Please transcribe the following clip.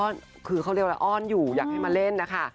ก็คือเขาเรียกว่าอ้อนอยู่อยากให้มาเล่นนะคะ